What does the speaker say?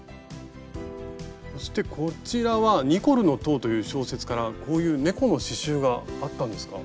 そしてこちらは「ニコルの塔」という小説からこういう猫の刺しゅうがあったんですか？